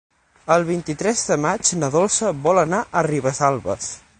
El vint-i-tres de maig na Dolça vol anar a Ribesalbes.